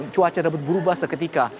cuaca dapat berubah seketika